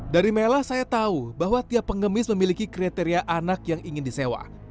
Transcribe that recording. dari mela saya tahu bahwa tiap pengemis memiliki kriteria anak yang ingin disewa